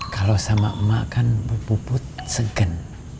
kalau sama mak kan bu puput segen